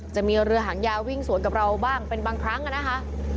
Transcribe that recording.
จะมีเรือหางยาววิ่งสวนกับเราบ้างเป็นบางครั้งนะคะ